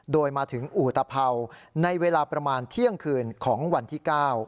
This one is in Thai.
โดยมาถึงอุตภัวร์ในเวลาประมาณเที่ยงคืนของวันที่๙